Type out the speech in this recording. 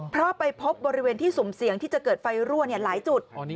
เพราะไปพบบริเวณที่สุ่มเสี่ยงที่จะเกิดไฟรั่วหลายจุด